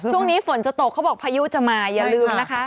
ช่วงนี้ฝนจะตกเขาบอกพายุจะมาอย่าลืมนะคะ